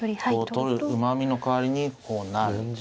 こう取るうまみの代わりにこうなる。